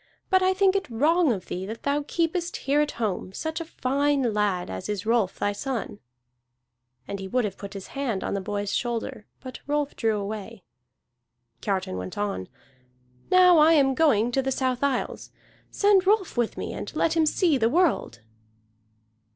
But I think it wrong of thee that thou keepest here at home such a fine lad as is Rolf thy son." And he would have put his hand upon the boy's shoulder, but Rolf drew away. Kiartan went on: "Now I am going to the South Isles. Send Rolf with me, and let him see the world."